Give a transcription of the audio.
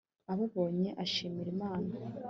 ababonye ashimira imana